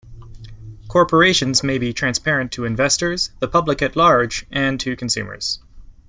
Corporations may be transparent to investors, the public at large, and to customers.